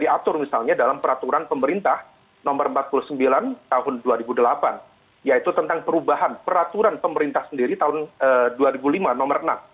diatur misalnya dalam peraturan pemerintah nomor empat puluh sembilan tahun dua ribu delapan yaitu tentang perubahan peraturan pemerintah sendiri tahun dua ribu lima nomor enam